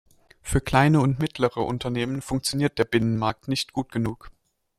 Für kleine und mittlere Unternehmen funktioniert der Binnenmarkt nicht gut genug.